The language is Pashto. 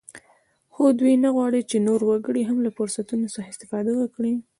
خو دوی نه غواړ چې نور وګړي هم له فرصتونو څخه استفاده وکړي